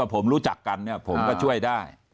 ผมก็ช่วยได้